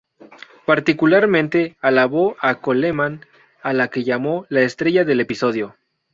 Particularmente alabó a Coleman, a la que llamó "la estrella del episodio".